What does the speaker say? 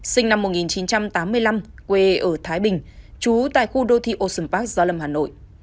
sinh năm một nghìn chín trăm tám mươi năm quê ở thái bình trú tại khu đô thị ocean park gia lâm hà nội